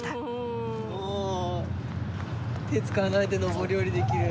手使わないで上り下りできる。